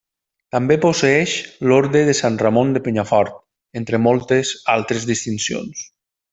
També posseeix l'Orde de Sant Ramon de Penyafort, entre moltes altres distincions.